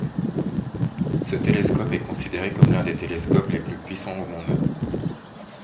Ce télescope est considéré comme l'un des télescope les plus puissants au monde.